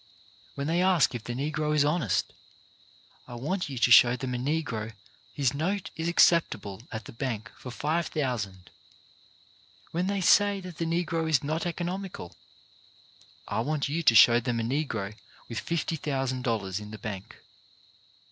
When they ask if the Negro is honest, I want you to show them a Negro whose note is acceptable at the bank for $5,000. When they say that the Negro is not economical, I want you to show them a Negro with $50,000 in the bank.